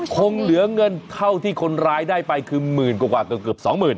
คงเหลือเงินเท่าที่คนร้ายได้ไปคือหมื่นกว่าเกือบ๒๐๐๐